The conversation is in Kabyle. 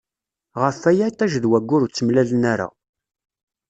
Ɣef waya itij d waggur ur ttemlalen ara.